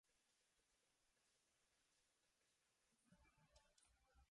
Pero siento que la banda sonora de la segunda es mejor.